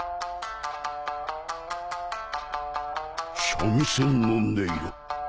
三味線の音色？